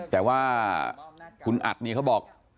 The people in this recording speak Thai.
แต่ว่าคุณอัชริยะกลับนี้เขาบอก